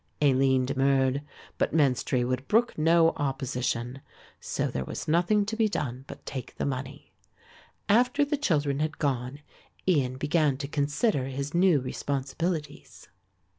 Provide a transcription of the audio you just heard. Aline demurred, but Menstrie would brook no opposition. So there was nothing to be done but take the money. After the children had gone Ian began to consider his new responsibilities.